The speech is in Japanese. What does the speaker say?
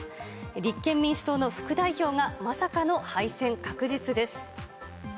立憲民主党の副代表が、まさかの敗戦確実です。